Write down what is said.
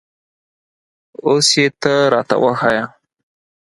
اوس یې ته را ته وښیه